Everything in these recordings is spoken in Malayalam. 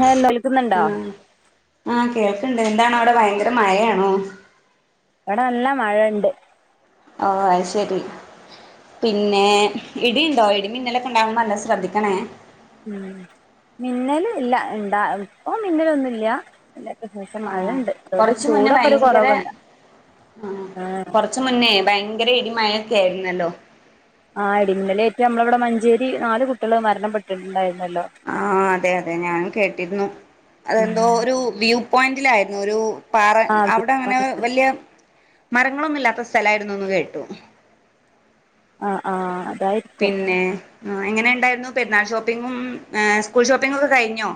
ഹലോ കേൾക്കുന്നുണ്ടോ? ആഹ് ആഹ് കേൾക്കണ്ട് എന്താണ് അവിടെ ഭയങ്കര മഴയാണോ? ഇവിടെ നല്ല മഴണ്ട്. ഓ അത് ശരി. പിന്നെ ഇടിയുണ്ടോ? ഇടിമിന്നലൊക്കെ ഉണ്ടാകുമ്പോ നല്ല ശ്രദ്ധിക്കണേ. ഉം മിന്നല് ഇല്ല ഇണ്ടാ ഇപ്പൊ മിന്നലൊന്നും ഇല്ല മഴ ആഹ് ഉണ്ട്. അതുകൊണ്ട് കൊറച്ച് മുന്നേ ചൂടൊക്കെ ഒരു ഭയങ്കര കുറവുണ്ട്. ആഹ് ആ കൊറച്ച് മുന്നേ ഭയങ്കര ഇടിമഴ ഒക്കെ ആയിരുന്നല്ലോ. ആ ഇടിമന്ന ലേറ്റ് നമ്മടെ ഇവിടെ മഞ്ചേരി നാല് കുട്ടികൾ മരണപ്പെട്ടിട്ടുണ്ടായിരുന്നല്ലോ? ആ അതെ അതെ ഞാനും കേട്ടിരുന്നു. അതെന്തോ ഒരു വ്യൂ പോയിന്റിലായിരുന്നു ഒരു പാറ ആ അവിടെ അങ്ങനെ വലിയ മരങ്ങളൊന്നും ഇല്ലാത്ത സ്ഥലങ്ങളായിരുന്നു ഒന്ന് കേട്ടു. ആ ആഹ് അതായത് പിന്നെ എങ്ങനെ ഉണ്ടായിരുന്നു പെരുന്നാൾ ഷോപ്പിങ്ങുംസ്കൂൾ ഷോപ്പിംഗ് ഒക്കെ കഴിഞ്ഞോ?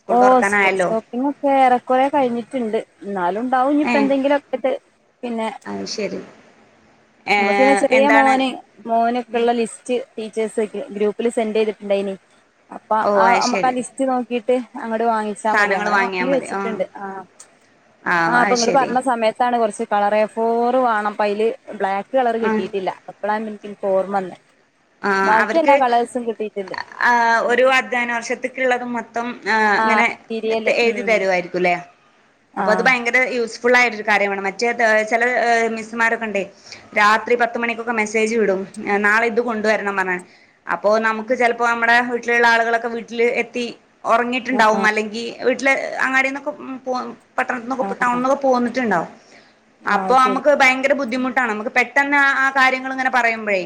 സ്കൂൾ ഓ സ്കൂൾ തുറക്കാനായല്ലോ ഷോപ്പിംഗ് ഒക്കെ ഏറെക്കുറേകഴിഞ്ഞിട്ടുണ്ട്. എന്നാലും ഉണ്ടാവും ഏ ഇനിയിപ്പോ എന്തെങ്കിലും ട്ട് പിന്നെ അത് ശരി ഏ നമുക്ക് പിന്നെ ചെറിയ എന്താണ് മോന് മോനൊക്കെയുള്ള ലിസ്റ്റ് ടീച്ചേഴ്സ് ഗ്രൂപ്പിൽ സെന്റ് ചെയ്തിട്ടുണ്ടായിനി. ഓ അപ്പംആ അത് നമുക്ക് ആ ശരി ലിസ് റ്റ് നോക്കിട്ട് അങ്ങോട് വാങ്ങി ച്ചാ മതി സാധനങ്ങൾ അങ്ങനെ വാങ്ങിയാൽ വാങ്ങി മതി വെച്ചിട്ടുണ്ട്. ആ ആ ആഹ് അപ്പൊ അത് ഇങ്ങള് ശരി പറഞ്ഞ സമയത്താണ് കുറച്ച് കളർ എ ഫോർ വേണം അപ്പ അതില് ബ്ലാക്ക് കളർ ആ കിട്ടിയിട്ടില്ല. അപ്പഴാണ് എനിക്ക് ഓർമ വന്നത്. ആ അവർക്ക് ആ ഒരു ധ്യയനവർഷത്തേക്കുള്ളതും മൊത്തം ആ ഇങ്ങനെ തിരിയല് എഴുതി ഉം തരുമായിരിക്കും അല്ലേ? ആ അപ്പൊ അത് ഭയങ്കര യൂസ്ഫുൾ ആയിട്ടൊരു കാര്യമാണ്. മറ്റേ ചില മിസ്സുമാരൊക്കെ ഉണ്ടേ രാത്രി പത്ത്മണിക്കൊക്കെ മെസ്സേജ് വിടും. നാളെ ഇത് കൊണ്ട് ണ്ട്വരണം പറഞ്ഞ് അപ്പൊ നമുക്ക് ചിലപ്പോ നമ്മടെ വീട്ടിലുള്ള ആളുകളൊക്കെ വീട്ടില് എത്തി ആ ഉറങ്ങിയിട്ടുണ്ടാവും. അല്ലെങ്കിൽ വീട്ടില് അങ്ങാടിന്നൊക്കെ പോ ആ പട്ടണത്തിന്നൊക്കെ ടൗണിൽഒക്കെ പോന്നിട്ടുണ്ടാവും. ആ അപ്പോ ശരി നമുക്ക് ഭയങ്കര ബുദ്ധിമുട്ടാണ്. നമ്മുക്ക് പെട്ടെന്ന് ആ കാര്യങ്ങൾ ഇങ്ങനെ പറയുമ്പോഴേ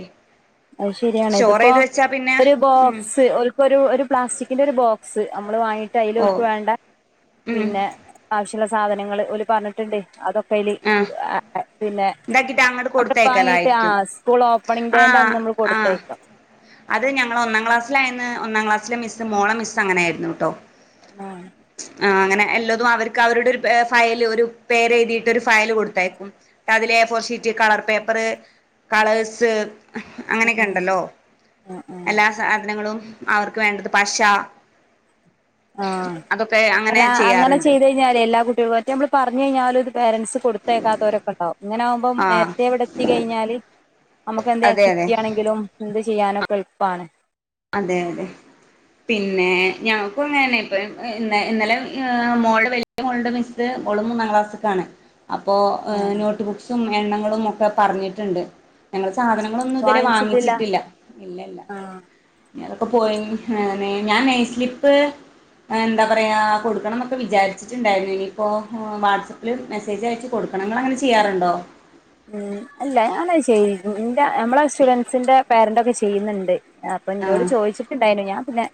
അയ് ശരിയാണ് സ്റ്റോർ ഇതിപ്പോ ചെയ്ത് വെച്ചാ പിന്നെ ഒരു ഉം ബോക്സ് ഒരു ഒരു ഒരു പ്ലാസ്റ്റിക്കിന്റെ ഒരു ബോക്സ് നമ്മള് വാങ്ങിട്ട് അയ്ൽ ഓ ഒലക്ക് വേണ്ട ഉം പിന്നെ ആവശ്യള്ള സാധനങ്ങൾ ഓൽ പറഞ്ഞിട്ടുണ്ട് അതൊക്കൈല് ആഹ് ആ പിന്നെ ഇതാക്കിട്ട് അങ്ങോട്ട് വാങ്ങിട്ട് ആ കൊടുത്തയക്കലായിരിക്കും സ്കൂൾ ഓപ്പണിങ് ഡെ ആഹ് ആഹ് അത് ഞങ്ങൾ ഒന്നാം ക്ലാസിലായന്ന് ഒന്നാം ക്ലാസിലെ മിസ്സ് മോള മിസ് അങ്ങനയിരുന്നു ട്ടോ? അഹ് ആഹ് അങ്ങനെ എല്ലാതും അവർക്ക് അവരുടെ ഒരു ഫയല് ഒരു പേര് എഴുതിയിട്ട ഒരു ഫയല് കൊടുത്തയക്കും. അതില് A four sheet colour paper colours ആഹ് അങ്ങനെയൊക്കെണ്ടല്ലോ ആഹ് ആഹ് എല്ലാ സാധനങ്ങളും അവർക്ക് വേണ്ടത് പശ ആഹ് അതൊക്കെ അങ്ങനെ അല്ല അങ്ങനെ ചെയ്യാറുണ്ട് ചെയ്ത ഞ്ഞല് എല്ലാ കുട്ടികും മറ്റ നമ്മൾ പറഞ്ഞു കഴിഞ്ഞും പേരെന്റ്സ് കൊടുത്തേക്കാത്തവരക്കണ്ടാവും. ഇങ്ങനെ ആകുമ്പം ആഹ് നേരത്തെ ഇവിടെ എത്തി കഴിഞ്ഞാല് നമുക്ക് എന്താ അതെ ആക്ടിവിറ്റി അതെ ണെങ്കിലും എന്ത് ചെയ്യാനൊക്കെ എൾപ്പാണ്. അതെ അതെ പിന്നെ ഞങ്ങക്കു അങ്ങേന്നെ ഇപ്പം ഇ ഇന്ന ഇന്നലെ ഏ മോള് വെ [unintelligible] മോൾടെ മിസ്സ് ഓളും മൂന്നാം ക്ലാസ്സ്ക്കാണ്. അപ്പോ ഏ ആഹ് നോട്ട് ബുക്സും എണ്ണങ്ങളും ഒക്കെ പറഞ്ഞിട്ട്ണ്ട്. ഞങ്ങള് സാധനങ്ങളൊന്നും ഇതുവരെ വാങ്ങിച്ചിട്ടില്ല ഇല്ല ഇല്ല. ആഹ് അതൊക്കെ പോയിൻ ഹേ [unintelligible] ഞാൻ നെയ്സ്ലിപ്പ് ഏ എന്താ പറയാ കൊടുക്കണം ന്നൊക്കെ വിചാരിച്ചിട്ട്ണ്ടായിരുന്നു ഇനിയിപ്പോ ഹോ വാട്സ ൽ മെസേജ് അയച്ച് കൊടുക്കണം ഇങ്ങള് അങ്ങനെ ചെയ്യാറുണ്ടോ? ഉം അല്ല ഞാനഹ് ചെയ്തിരുന്നു ഇന്റെ നമ്മളെ സ്റ്റുഡൻസിന്റെ പേരൻ്റ് ഒക്കെ ചെയ്യ്ന്നുണ്ട്. അപ്പ ഇന്നോട് ആഹ് ചോദിച്ചിട്ട്ണ്ടായിനു ഞാൻ പിന്നെ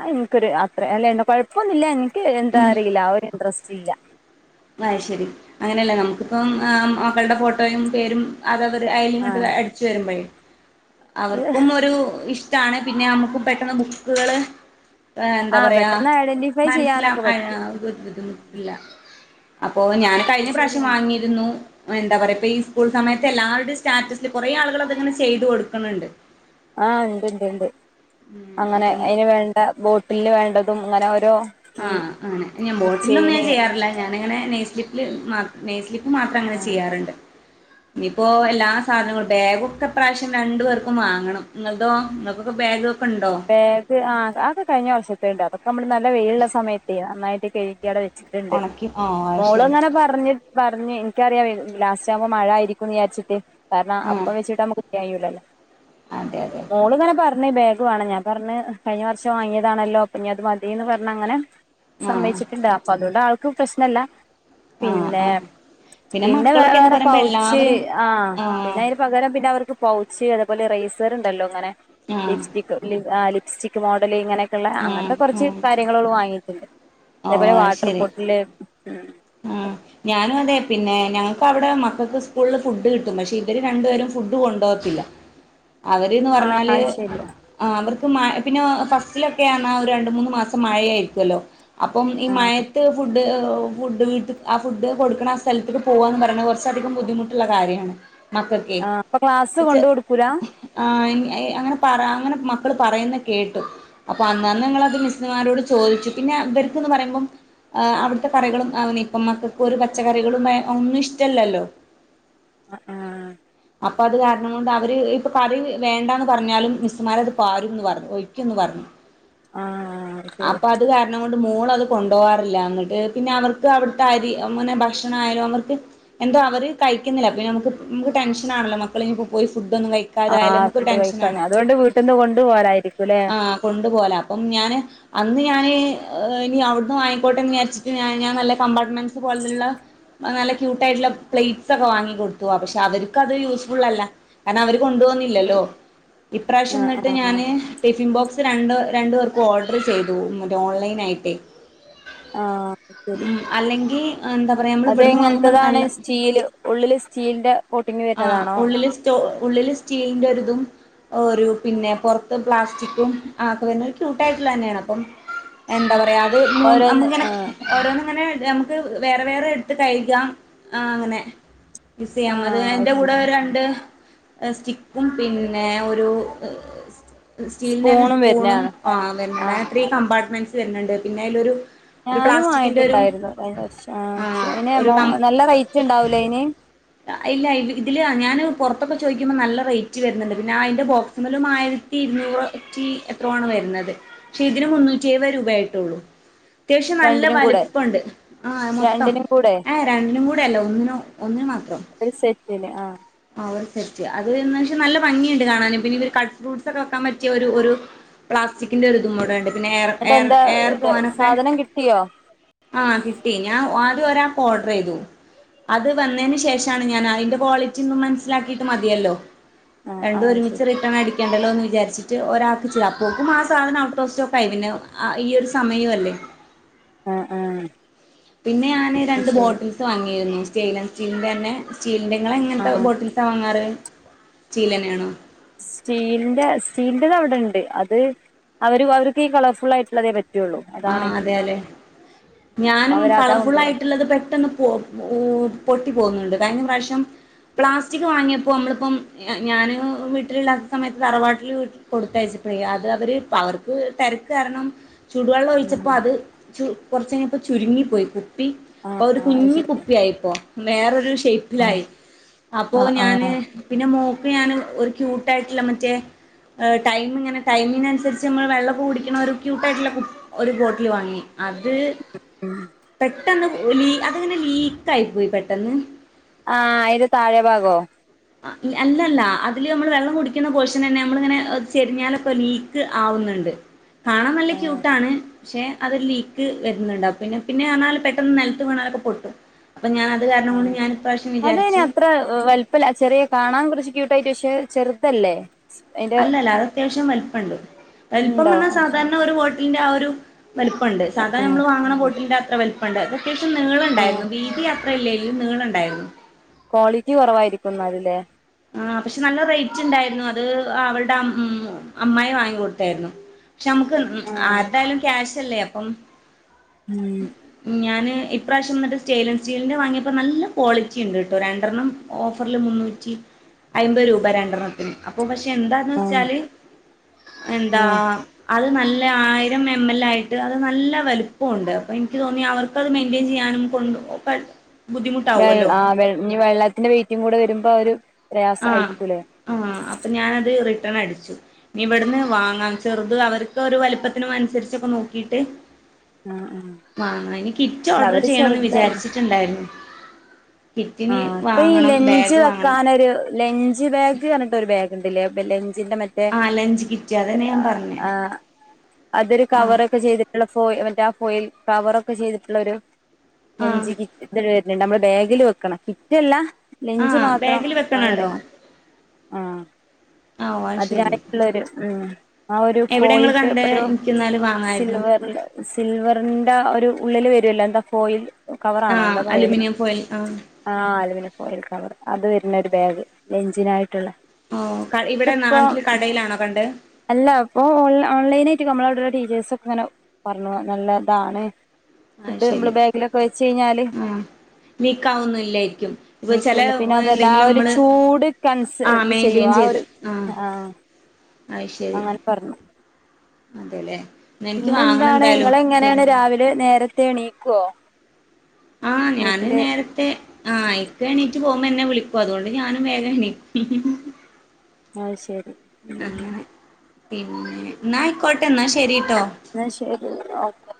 അഹ് ഇൻക്കൊരു അത്ര അല്ല എന്റെ കൊഴപ്പൊന്നുല്ല എനിക്ക് എന്താ അറിയില്ല ആ ഒരു ഇൻട്രസ്റ്റ് ഇല്ല. അഹ് ശരി അങ്ങനെയല്ല നമുക്കിപ്പം ആ മക്കളുടെ ഫോട്ടോയും പേരും അതവര് അയ്ല് ഇങ്ങട്ട് ആഹ് അടിച്ചു വരുമ്പഴേ അവർക്കും ഒരു ഇഷ് ടാണ് പിന്നെ നമുക്കും പെട്ടെന്ന് ബുക്കുകള് ഏ എന്താ ആഹ് പറയാ പെട്ടെന്ന് ഐഡന്റിഫൈ മൻസ്സിലാ ചെയ്യാനൊക്കെ പറ്റും അഹ് [unintelligible] അപ്പോ ഞാൻ അത് കഴിഞ്ഞ പ്രാവശ്യം ശരിയാണ് വാങ്ങിയിരുന്നു. എന്താ പറയ ഇപ്പം ഈ സ്കൂൾ സമയത്ത് എല്ലാവരുടെ സ്റ്റാറ്റസിൽ കൊറെ ആളുകൾ അത്ങ്ങനെ ചെയ്തു കൊടുക്ക്ണ് ണ്ട്. ആ ഇണ്ട് ഇണ്ട് ഇണ്ട് ഉം അങ്ങനെ അപ്പം അയിന് വേണ്ട ബോട്ടിൽ വേണ്ടതും അങ്ങനെ ഓരോ ആ കീ അങ്ങനെ ഞം കീ ബോട്ടിലന്നും ഞാൻ ചെയിന് ചെയ്യാറില്ല ഞാനിങ്ങനെ നെയ്സ്ലിപ്പിൽ മാ നെയ്സ്ലിപ്പ് മാത്രം അങ്ങനെ ആഹ് ചെയ്യാറ്ണ്ട്. ഇഞ്ഞിപ്പോ എല്ലാ സാധനങ്ങളും ബാഗൊക്കെ ഇപ്രാവശ്യം രണ്ടു പേർക്കും വാങ്ങണം. ഇങ്ങൾതോ? ബങ്ങൾക്കൊക്കെ ബാഗ് പ്പണ്ടോ? ബാഗ് ആ അതക്കെ കഴിഞ്ഞ വർഷത്തേണ്ട് അതൊക്കെ നമ്മള് നല്ല വെയില്ള്ള സമയത്തേ നന്നായിട്ട് കഴുകി അഒടെ വെ ച്ച്ട്ട്ണ്ട് ഉണക്കി ആ അത് മോള് ശരി ഇങ്ങനെ പർഞ്ഞ് പർഞ്ഞ് ഇൻക്കറിയാം വെ ലാസ്റ്റ് ആകുമ്പോ മഴ ആയിരിക്കുംന്ന് വിചാരിട്ട് കാരണം ആ അപ്പ വെച്ചിട്ട് നമ്മക്ക് [unintelligible] അതെ അതെ ഓള്ങ്ങനെ പർഞ്ഞ് ബാഗ് വേണം ഞാൻ പർഞ്ഞ് കഴിഞ്ഞ വർഷം വാങ്ങിയതാണല്ലോ ഇപ്പഞ്ഞ് അത് മതിന്ന് പർഞ്ഞ് അങ്ങനെ ആ സമ്മയ്ച്ചിട്ട്ണ്ട അപ്പ അതുകൊണ്ട് ആൾക്ക് പ്രശ്നല്ല. ആ പിന്നെ ആ പിന്നെ വേ മക്കളൊക്കെന്ന് വേറെ പറയുമ്പോ പൗച്ച് എല്ലാവരും ആ പിന്നെ അ പകരം പിന്നെ അവർക്ക് പൗച്ച് അതേപോലെ റൈസർ ഇണ്ടല്ലോ ഇങ്ങനെ ആ ലിപ്സ്റ്റി ഹ് ലി ആ ലിപ്സ്റ്റിക്ക് മോഡല് ഇങ്ങനെയക്കെളേള ആ അങ്ങൻത്തെ ആ കൊർച്ച് കാര്യങ്ങള് ഓള് വാങ്ങിക്ക്ണ്. ഓ അതേപോലെ അത് വാട്ടർ ശരി പോർട്ടിൽ ഉം ആഹ് ഞാനും അതെ പിന്നെ ഞങ്ങക്ക് അവടെ മക്കക്ക് സ്കൂളിൽ ഫുഡ് കിട്ടും പക്ഷെ ഇവര് രണ്ട് പേരും ഫുഡ് കൊണ്ടോകത്തില്ല. അവര്ന്ന് ആ പർഞ്ഞാല് അത് ശരിയാ ആ അവർക്ക് മ പിന്നെ ഫസ്റ്റിലൊക്കേന്ന ഒര് രണ്ട്, മൂന്ന് മാസം മഴയായിരിക്കല്ലോ. അപ്പം ഈ ആ മഴത്ത് ഫുഡ് ഹ് ഓ ഫുഡ് വീട്ട് ആ ഫുഡ് കൊട്ക്ക്ണ ആ സ്ഥൽത്ത്ക്ക് പോവാന്ന് പറയ്ണെ കൊർച്ചധികം ബുദ്ധിമുട്ട്ള്ള കാര്യാണ്. മക്കക്കെ ആ അപ്പൊ ക്ലാസ് അപ്പ ചെ കൊണ്ട് കൊടുക്കൂല ആ എൻ എ അങ്ങനെ പറയ് അങ്ങനെ മക്കള് പറയ്ന്നെ കേട്ടു. അപ്പൊ അന്നാന്ന് ഞങ്ങളത് മിസ്മാരോട് ചോദിച്ചു പിന്നെ ഇവര്ക്ക്ന്ന് പറയുമ്പം ആ അവ്ട്ത്തെ കറികളും [unintelligible] ഇപ്പം മക്കക്ക് ഒരു പച്ചക്കറികളും ഒന്നും ഇഷ്ടല്ലല്ലോ. അഹ് ആഹ് അപ്പ അത് കാരണം കൊണ്ട് അവര് ഇപ്പ കറി വേണ്ടാന്ന് പറ്ഞ്ഞാലും മിസ്സ്മാര് അത് പാരുംന്ന് പറഞ്ഞ് ഒഴിക്കും ന്ന് പറഞ്ഞ് [inaudible] ശരി അപ്പത് കാരണം കൊണ്ട് മോളത് കൊണ്ടോവാറില്ല ഇങ്ങട്ട് പിന്നെ അവർക്ക് അവ്ട്ത്തെ അരി ഇങ്ങനെ ഭക്ഷണായാലും അവർക്ക് എന്തോ അവര് കഴിക്കുന്നില്ല പിന്നമക്ക് നമ്മക്ക് ടെൻഷനാണല്ലോ മക്കള് ഇനി പോയി ഫുഡൊന്നും കഴി ആഹ് ഫുഡ് കഴിക്കാൻ അതോണ്ട് വീട്ട്ന്ന് കൊണ്ട് പോവലായിരിക്കും ലേ കൊണ്ട്‌ പോവലാ അപ്പം ഞാന് അന്ന് ഞാന് ഏഹ് ഇനി അവ്ട്ന്ന് വാങ്ങിക്കോട്ടേന്ന് വിചാരിച്ച് ഞാൻ നല്ല കമ്പാർട്ട്മെന്റ്സ് പോലുള്ള നല്ല ക്യൂട്ടായിട്ടുള്ള പ്ലേയ്റ്റൊക്കെ വാങ്ങി കൊട്ത്തു പക്ഷെ അവര്ക്കത് യൂസ്ഫുളല്ല കാരണം അവര് കൊണ്ട്‌ പോവുന്നില്ലല്ലോ, ഇപ്രാവശ്യം ആഹ് ഇന്നട്ട് ആഹ് ഞാന് ടിഫിൻ ബോക്സ് രണ്ട് രണ്ടു പേർക്കും ഓർഡർ ചെയ്തു മറ്റേ ഓൺലൈനായിട്ടെ ആഹ് ശെരി, അല്ലെങ്കി എന്താ പറയാ നമ്മൾ ഇവിടുന്ന് വാങ്ങുമ്പോ അതെൻങ്ങത്തതാണ് നല്ല സ്റ്റീല് ഉള്ളില് സ്റ്റീലിന്റെ കോട്ടിങ്ങ് ആ വെര്ന്നതാണോ ഉള്ളില് ഉള്ളില് സ്റ്റീലിന്റൊര്തും ഒരു പിന്നെ പൊർത്ത് പ്ലാസ്റ്റിക്കും ആക്കെ വെര്ണെ ഒര് ക്യൂട്ടായിട്ട്ള്ളേന്നേണ് അപ്പം എന്താ പറയാ അത് മൂ ഓരോന്ന് നമ്ക്കനെ ആഹ് ഓരോന്ന്ങ്ങനെ നമുക്ക് വേറെ വേറെ എട്ത്ത് കഴിക്കാം ആഹ് അങ്ങനെ യൂസെയ്യാം അത് ആഹ് എന്റെ കൂടെ ശരി രണ്ട് സ്റ്റിക്കും പിന്നെ ഒരു സ്റ്റീലിന്റന്നെ സ്പൂണും ആഹ് വെര്ന്ന് ണ്ട്‌, അങ്ങനെ ആഹ് ത്രീ ആഹ് കമ്പാർട്ട്മെന്റ്സ് വെര്ണ് ണ്ട് പിന്നെ ഐലൊരു ഞാനും വാങ്ങിട്ട്ണ്ടായിരുന്നു കഴിഞ്ഞ വർഷം ആ ആഹ് അയിന് ഒരു കം നല്ല റൈറ്റ്ണ്ടാവൂലേ അയിന് ഇല്ല ഇതി ഇതില് ഞാന് പൊറത്തൊക്കെ ചോയ്ക്കുമ്പോ നല്ല റൈറ്റ് വര്ന്ന്ണ്ട്, പിന്നെ അയിന്റെ ബോക്സ്മലും ആയി ത്തി ഇരുന്നൂറ്റ്റി എത്രോ ആണ് വെര്ന്നത്, പക്ഷെ ഇതിന് മുന്നൂറ്റി എഴുബേ രൂപ ആയിട്ടൊള്ളൂ അത്യാവിശം നല്ല രണ്ടിനും കൂടെ വല്പ്പണ്ട് ആഹ് മൊത്തം രണ്ടിനും കൂടെ ഏഹ് രണ്ടും കൂടെ അല്ല ഒന്നിനോ ഒന്നിന് മാത്രം ഒര് സെറ്റ്ന് ആഹ് ആഹ് ഒര് സെറ്റ് അത് ഏകദേശം നല്ല ഭംഗിയുണ്ട് കാണാന് പിന്നെ ഇവര് കട് ഫ്രൂട്ട്സൊക്കെ വൊക്കാൻ പറ്റിയ ഒരു ഒരു പ്ലാസ്റ്റിക്കിന്റെ ഒര്തുംകൂടെണ്ട് പിന്നെ എയർ എന്നിട്ട് എയർ എന്താ ഏയറ് പോവാനൊക്കെ സാധനം കിട്ടിയോ ആഹ് കിട്ടി ഞാൻ ആദ്യം ഒരാൾക്ക് ഓഡറെയ്തു അത് വന്നേന് ശേഷാണ് ഞാന് അയിന്റെ ക്വാളി റ്റി ഒന്ന് മനസ്സിലാക്കീട്ട് മതിയല്ലോ ആഹ് രണ്ടും ആഹ് ഒര്മിച്ച് ശരി റിട്ടണടി ക്കണ്ടല്ലോ എന്ന് വിചാര്ച്ചിട്ട് ഒരാൾക്ക് ചെയ്യാം, അപ്പോക്കും ആ സാധനം ഔട്ട് ഓഫ് സ്റ്റോക്കായി പിന്നെ ആ ഈ ഒര് സമയല്ലേ ആഹ് ആഹ് പിന്നെ ഞാന് അത് രണ്ട് ശരി ബോട്ടിൽസ് വാങ്ങിയിരുന്നു സ്റ്റെയിലൻസിന്റെന്നെ സ്റ്റീല്ന്റെ ഇങ്ങളെങ്ങൻത്തെ ആഹ് ബോട്ടി ൽസാ വാങ്ങാറ് സ്റ്റീലെന്നേണോ സ്റ്റീലിന്റെ സ്റ്റീലിന്റെത് അവടെണ്ട് അത് അവര് അവർക്ക് ഈ കളർഫുള്ളായിട്ട്ള്ളതേ പറ്റൊ ആഹ് അതെലെ, ഞാൻ അവരതാ കൊണ്ടുപോവാ കളർഫുള്ളായിട്ട്ള്ളത് പെട്ടെന്ന് പൊ പോ പൊട്ടി പോവ്ന്ന്ണ്ട്. കഴിഞ്ഞ പ്രാവശ്യം പ്ലാസ്റ്റിക് വാങ്ങിയപ്പോ നമ്മള്പ്പം ഞാ ഞാന് വീട്ടില് ഇല്ലാത്ത സമയത്ത് തറവാട്ട്ല് കൊടുത്തയച്ച് പോയി അത് അവര് അവർ ക്ക് തെരക്ക് കാരണം ചുടുവെള്ളം ഒഴിച്ചപ്പോ അത് ചു കൊറച്ചയിഞ്ഞപ്പോ ചുരുങ്ങിപോയി കുപ്പി ആഹ് അപ്പോ ഒരു ആഹ് അത് കുഞ്ഞ് ശരിയാ കുപ്പിയായിപ്പോ വേറൊരു ആഹ് ഷൈപ്പിലായി അപ്പൊ ആഹ് ഞാന് ആഹ് പിന്നെ മോൾക്ക്‌ ഞാന് ഒരു ക്യൂട്ടായിട്ടുള്ള മറ്റേ ഏഹ് ടൈമിങ്ങനെ ടൈമിനനുസരിച്ച് നമ്മള് വെള്ളൊക്കെ കുടിക്ക്ണ ഒര് ക്യൂട്ടായിട്ട്ള്ള കു ഒരു ബോട്ടില് വാങ്ങി അത് പെട്ടെന്ന് ലീ അതിങ്ങനെ ലീക്കായിപ്പോയി പെട്ടെന്ന് ആ അയിന്റെ താഴെ ഭാഗോ അല്ലല്ല അതില് നമ്മള് വെള്ളം കുടിക്കുന്ന പോഷൻ തന്നെ നമ്മളിങ്ങനെ ചെരിഞ്ഞാലൊക്കെ ലീ ക്ക്‌ ആവുന്നുണ്ട് കാണാൻ നല്ല ക്യൂട്ടാണ് പക്ഷെ അത് ലീക്ക് വരുന്നുണ്ട് അപ്പ പിന്നെ പിന്നെ ആണാല് പെട്ടെന്ന് നിലത്ത് വീണാലൊക്കെ പൊട്ടും അപ്പൊ ഞാൻ അത് കാരണം ഉം കൊണ്ട് ഞാൻ ഇപ്രാവശ്യം അതന്നെ വിചാരിച്ചു അത്ര വലിപ്പല്യ ചെറിയ കാണാൻ കുറച്ച് ക്യൂട്ടായിട്ട് പക്ഷെ ചെറുതല്ലേ അയിന്റെ അല്ലല്ല അത് അത്യാവശ്യം വലിപ്പം ഉണ്ട്‌ വലിപ്പം ഇണ്ടോ എന്നാൽ അത് ശരി സാധാരണ ഒരു ബോട്ടിലിന്റെ ആ ഒരു വലുപ്പണ്ട് സാധാരണ ആഹ് നമ്മള് വാങ്ങണ ബോട്ടിന്റെ അത്ര വലുപ്പണ്ട് അത്യാവശ്യം ആഹ് നീളുണ്ടായിരുന്നു വീതി അ അല്ലേലും നീളുണ്ടായിരുന്നു ക്വാളിറ്റി കുറവായിരിക്കും എന്നാലുംല്ലേ ആ പക്ഷെ നല്ല റേറ്റ് ഉണ്ടായിരുന്നു അത് അവളുടെ അം അമ്മായി വാങ്ങികൊടുത്തായിരുന്നു പക്ഷെ നമ്മുക്ക് ഉം ആഹ് ആരുടേയാലും ക്യാഷ്ല്ലേ അപ്പം ഉം ഞാൻ ഇപ്രാവശ്യംന്നിട്ട് സ്റ്റെൻലെസ് സ്റ്റീലിന്റെ വാങ്ങിയപ്പോ നല്ല ക്വാളിറ്റി ഉണ്ട്ട്ടോ രണ്ടെണ്ണം ഓഫറിൽ മുന്നൂറ്റി അയ്മ്പത് രൂപ രണ്ടെണ്ണത്തിന് അപ്പൊ പക്ഷെ എന്താന്ന് ആഹ് വെച്ചാല് എന്താ ആഹ് അത് നല്ല ആയിരം എം എൽ ആയിട്ട് അത് നല്ല വലുപ്പമുണ്ട് അപ്പൊ എനിക്ക് തോന്നി അവർക്ക് ർക്ക് അത് മെയിന്റെയിൻ ചെയ്യാനും കൊണ്ട് പോ വെള്ള് ആ ഇനി വെള്ളത്തിന്റെ വെയിറ്റും കൂടെ വരുമ്പോ അവര് ആ ആ അപ്പൊ ഞാനത് റിട്ടേൺ അടിച്ചു ഇവിടുന്ന് വാങ്ങാം ചെറുത് അവർക്ക് ഒരു വലിപ്പത്തിനും അനുസരിച്ചൊക്കെ നോക്കിട്ട് ആ ആ വാങ്ങാം ഇനി കിറ്റ് ഓർഡർ ചെയ്യണന്ന് വിചാരിച്ചിട്ടുണ്ടായിരുന്നു ആ കിറ്റിന് അപ്പൊ ഈ വാങ്ങണം ലഞ്ച് ബാഗ് വാങ്ങണം വെക്കാനൊരു ലഞ്ച് ബാഗ് എന്ന് പറഞ്ഞിട്ട് ഒരു ബാഗ്ണ്ടില്ലേ ലഞ്ചിന്റെ മറ്റേ ആഹ് ലഞ്ച് കിറ്റ് എ അതന്നെ ഞാൻ ആ പറഞ്ഞേ ആ അതൊരു കവറൊക്കെ ചെയ്തി ള്ള ഫോയി മറ്റേ ആ ഫോയിൽ കവറൊക്കെ ചെയ്തിട്ടുള്ള ഒരു ആഹ് ലെഞ്ച് കിറ്റ് നമ്മള് ബാഗില് വെക്കണ കിറ്റല്ല ലെഞ്ച് ആഹ് മാത്രം ബാഗിൽ കവറേ വെക്കണണ്ടോ ആ ആഹ് ഓ അത് ശരി അതിനായിട്ടുള്ളരു ഉം ആ ഒരു എവിടെ ഫോയിൽ ഇങ്ങള് കണ്ടേ പേപ്പർ ഒരു എനിക്കിന്നാല് വാങ്ങായിരുന്നു സിൽവറില് സിൽവറിന്റെ ആ ഒരു ഉള്ളില് വരുല്ലോ എന്താ ഫോയിൽ കവറാണോ ആഹ് എന്താ പറയല് അലുമിനിയം ഫോയിൽ ആ ആ അലുമിനിയം ഫോയിൽ കവറ് അത് വരുന്ന ഒരു ബാഗ് ലെഞ്ചിനായിട്ടുള്ള ആ ഓ ക ഇവിടെ നാട്ടില് കടയിലാണോ കണ്ട് അല്ല അപ്പോ ഓ ഓൺലൈനായിട്ട് നമ്മള അവിടെ ടീച്ചേഴ്സ ഒക്കെ ഇങ്ങനെ പറഞ്ഞു നല്ലതാണ് അത് ഫുഡ് ശരി നമ്മള് ബാഗിലൊക്കെ വെച്ച് കഴിഞ്ഞാല് ലീക്കാവൊന്നില്ലായിരിക്കും ഇപ്പൊ ചില നീക്കൂല പിന്നെ അതല്ല ആ എന്തെങ്കിലും ഒരു നമ്മള് ചൂട് കൺസ് ആ ഇത് ചെയ്യും മെയിന്റെയിൻ ആ ചെയ്ത് ഒരു ആ ആഹ് അയ് ശരി അങ്ങനെ പറഞ്ഞു അതെല്ലേ ന്നാ എനിക്ക് വാങ്ങണം പിന്നെന്താണ് എന്തായാലും നിങ്ങള് എങ്ങനെയാണ് പെരുന്നാൾ രാവിലെ നേരത്തെ എണീക്കുവോ ആഹ ഞാന് വീട്ടില് നേരത്തെ ആ ഇക്ക എണീറ്റ്പോവുമ്പോ എന്നെ വിളിക്കും അതുകൊണ്ട് ഞാനും വേഗം എണീക്കും ഉം ഉം ഉം ആ ശെരി അങ്ങനെ പിന്നെ എന്ന ആയിക്കോട്ടെ എന്നാ ശരിട്ടോ എന്നാ ശരി ഓക്കെ